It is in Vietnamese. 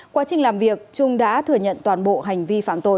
quá trình làm việc trung đã thừa nhận toàn bộ hành vi phạm tội